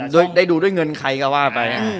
ได้ดูด้วยเงินใครก็ว่าไป